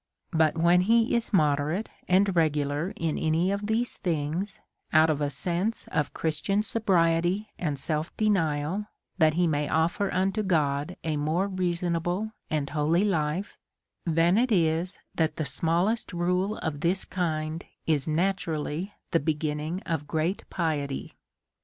But when he is moderate and regular in any of these things, out of a sense of Christian sobriety and self denial, that lie may offer unto God a more rea sonable and holy life, then it is that the smallest rul6 of this kind is naturally the beginning of great piety.